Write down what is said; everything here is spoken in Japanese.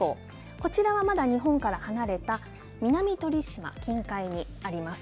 こちらはまだ日本から離れた南鳥島近海にあります。